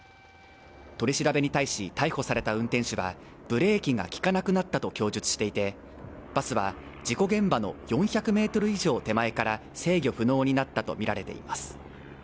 取り調べに対し逮捕された運転手はブレーキが利かなくなったと供述していてバスは事故現場の４００ｍ以上手前から制御不能になったと見られています